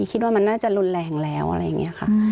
คิดว่ามันน่าจะรุนแรงแล้วอะไรอย่างนี้ค่ะ